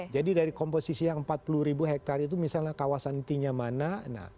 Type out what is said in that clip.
jadi dari komposisi yang empat puluh ribu hektare itu misalnya kawasan intinya mana